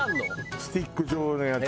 スティック状のやつ。